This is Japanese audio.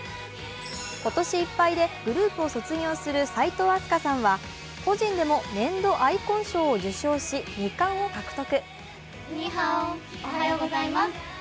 今年いっぱいでグループを卒業する齋藤飛鳥さんは個人でも年度アイコン賞を受賞し２冠を獲得。